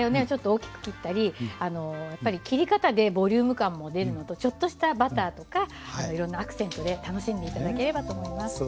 ちょっと大きく切ったりやっぱり切り方でボリューム感も出るのとちょっとしたバターとかいろんなアクセントで楽しんで頂ければと思います。